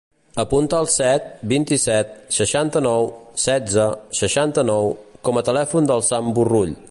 Apunta el set, vint-i-set, seixanta-nou, setze, seixanta-nou com a telèfon del Sam Borrull.